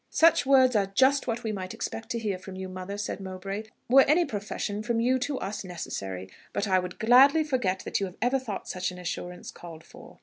"Such words are just what we might expect to hear from you, mother," said Mowbray, "were any profession from you to us necessary; but I would gladly forget that you have ever thought such an assurance called for."